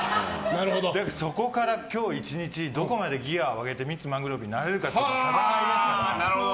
そこから今日１日どこまでギアを上げてミッツ・マングローブになれるかという戦いですから。